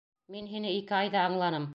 Мин һине ике айҙа аңланым.